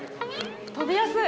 跳びやすい！